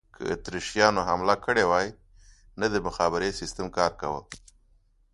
که اتریشیانو حمله کړې وای، نه د مخابرې سیسټم کار کاوه.